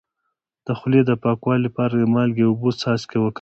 د خولې د پاکوالي لپاره د مالګې او اوبو څاڅکي وکاروئ